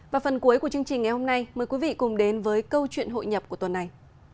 và phần cuối của chương trình ngày hôm nay mời quý vị cùng đến với câu chuyện hội nhập của tuần này